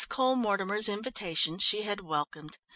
Cole Mortimer's invitation she had welcomed.